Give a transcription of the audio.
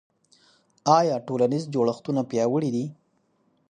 آیا ټولنیز جوړښتونه پیاوړي دي؟